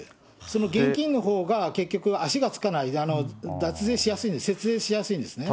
その現金のほうが、結局足がつかない、脱税しやすい、節税しやすいんですね。